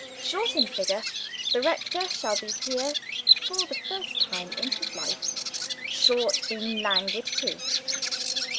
Short in figure, the rector shall be here, for the first time in his life, short in language too.